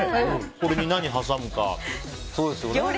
これに何挟むか。